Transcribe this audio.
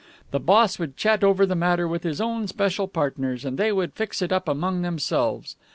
The boss would chat over the matter with his own special partners, and they would fix it up among themselves.